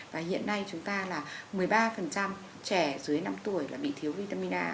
và hiện nay chúng ta là một mươi ba trẻ dưới năm tuổi là bị thiếu vitamin a